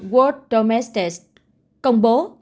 world domestic công bố